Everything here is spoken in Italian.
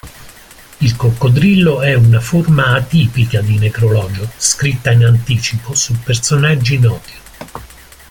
Il coccodrillo è una forma atipica di necrologio, scritta in anticipo, su personaggi noti.